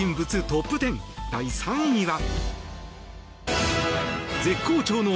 トップ１０第３位は。